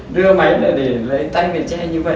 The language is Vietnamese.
đưa máy lại để lấy tay về che như vậy